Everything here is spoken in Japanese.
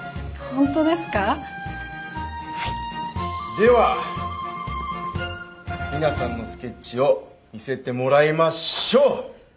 では皆さんのスケッチを見せてもらいましょう。